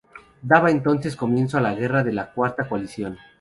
Daba entonces comienzo la guerra de la Cuarta Coalición.